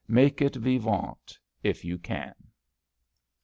Make it vivant, if you can.